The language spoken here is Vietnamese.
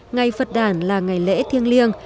ngày phật đàn là ngày lễ thiêng liêng